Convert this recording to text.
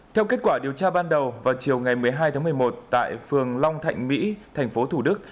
theo kết quả điều tra ban đầu vào chiều ngày một mươi hai tháng một mươi một tại phường long thạnh mỹ tp thủ đức